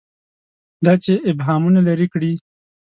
دا چې ابهامونه لري کړي.